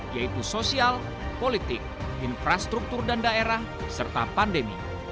yaitu sosial politik infrastruktur dan daerah serta pandemi